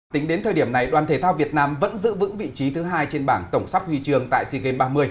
tính đến thời điểm này đoàn thể thao việt nam vẫn giữ vững vị trí thứ hai trên bảng tổng sắp huy trường tại sea games ba mươi